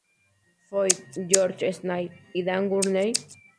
Foyt, George Snider, y Dan Gurney.